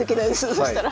そしたら。